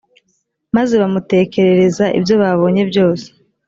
maze bamutekerereza ibyo babonye byose.